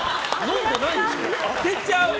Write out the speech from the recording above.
当てちゃう。